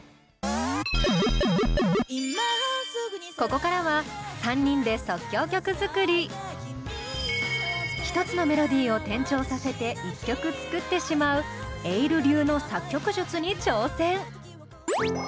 ここからは１つのメロディーを転調させて１曲作ってしまうｅｉｌｌ流の作曲術に挑戦！